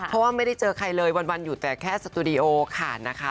เพราะว่าไม่ได้เจอใครเลยวันอยู่แต่แค่สตูดิโอค่ะ